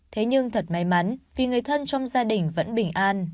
thế nhưng thật may mắn vì người thân trong gia đình vẫn bình an